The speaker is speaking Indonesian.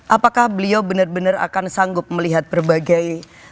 apakah beliau benar benar akan sanggup melihat berbagai